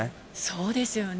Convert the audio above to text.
そうですよね。